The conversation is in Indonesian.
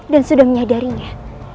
dan sudah menyadarinya